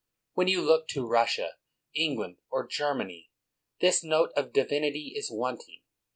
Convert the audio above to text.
When you look to Russia, England, or Germany, this note of divinity is wanting.